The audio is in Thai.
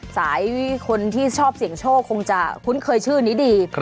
คนที่ชอบเสี่ยงโชคคงจะคุ้นเคยชื่อนี้ดี